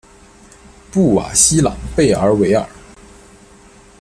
布瓦西朗贝尔维尔。